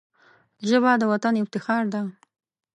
ژبه د وطن افتخار ده